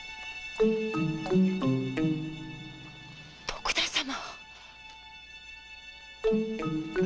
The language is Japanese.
徳田様！